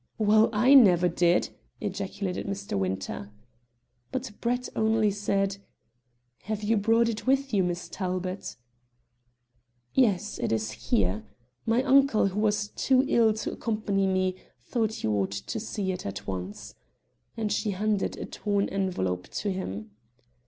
"Well, I never did!" ejaculated Mr. Winter. But Brett only said "Have you brought it with you, Miss Talbot?" "Yes; it is here. My uncle, who was too ill to accompany me, thought you ought to see it at once," and she handed a torn envelope to him.